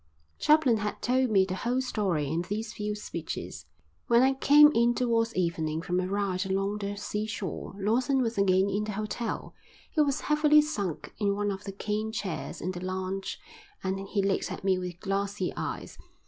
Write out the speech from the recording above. Chaplin had told me the whole story in these few speeches. When I came in towards evening from a ride along the seashore Lawson was again in the hotel. He was heavily sunk in one of the cane chairs in the lounge and he looked at me with glassy eyes.